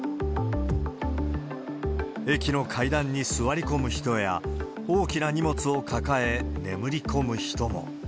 駅の階段に座り込む人や、大きな荷物を抱え眠り込む人も。